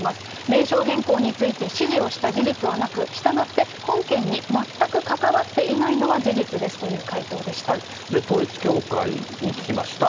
名称変更について、指示をした事実はなく、したがって本件に全く関わっていないのは事実ですとい統一教会に聞きました。